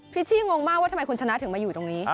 ชชี่งงงมากว่าทำไมคุณชนะถึงมาอยู่ตรงนี้